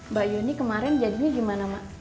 mbak yuni kemarin jadinya gimana mbak